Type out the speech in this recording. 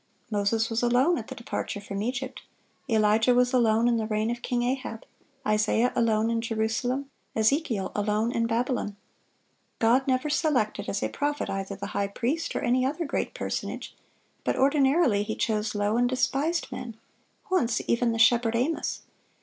Moses was alone at the departure from Egypt; Elijah was alone in the reign of King Ahab; Isaiah alone in Jerusalem; Ezekiel alone in Babylon.... God never selected as a prophet either the high priest or any other great personage; but ordinarily He chose low and despised men, once even the shepherd Amos.